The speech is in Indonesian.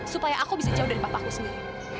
supaya aku bisa jauh dari papaku sendiri